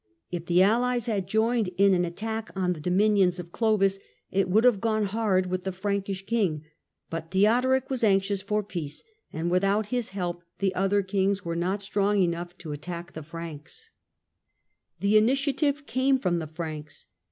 If the allies had joined in an attack on the dominions of Clovis it would have gone hard with the Frankish King, but Theodoric was anxious for peace, and without his help the other kings were not strong enough to at tack the Franks. 46 THE DAWN OF MEDIEVAL EUROPE Visigoths The initiative came from the Franks.